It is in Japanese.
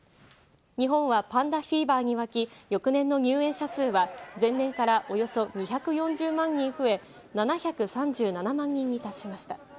日本はパンダフィーバーにわき、翌年の入園者数は前年からおよそ２４０万人増え、７３７万人に達しました。